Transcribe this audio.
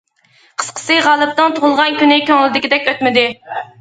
قىسقىسى، غالىبنىڭ تۇغۇلغان كۈنى كۆڭۈلدىكىدەك ئۆتمىدى.